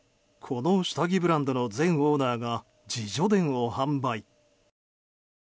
この下着ブランドの前オーナーが自叙伝を販売。